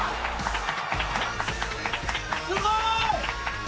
すごい！